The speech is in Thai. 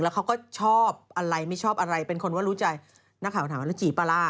เขาก็ชอบอะไรไม่ชอบอะไรเป็นคนว่ารู้ใจนักข่าวถามว่าแล้วจีบปลาร่า